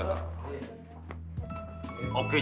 oke juga deh